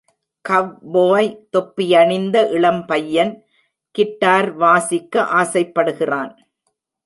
கவ்போய் தொப்பியணிந்த இளம்பையன் guitar வாசிக்க ஆசைப்படுகிறான்.